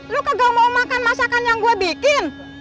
lu kagak mau makan masakan yang gue bikin